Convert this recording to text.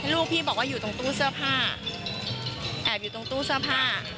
ลูกพี่บอกว่าอยู่ตรงตู้เสื้อผ้าแอบอยู่ตรงตู้เสื้อผ้า